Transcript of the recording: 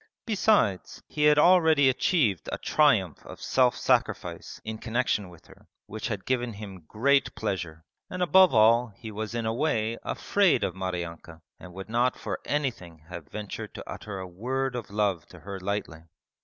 Besides, he had already achieved a triumph of self sacrifice in connexion with her which had given him great pleasure, and above all he was in a way afraid of Maryanka and would not for anything have ventured to utter a word of love to her lightly.